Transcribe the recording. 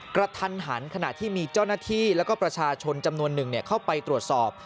กระทันหันขณะที่มีเจ้าหน้าที่แล้วก็ประชาชนจำนวนหนึ่งเข้าไปตรวจสอบ